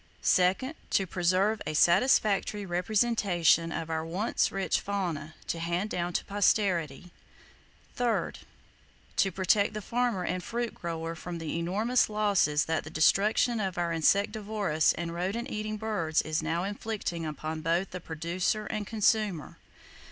Second,—To preserve a satisfactory representation of our once rich fauna, to hand down to Posterity. Third,—To protect the farmer and fruit grower from the enormous losses that the destruction of our insectivorous and rodent eating birds is now inflicting upon both the producer and consumer.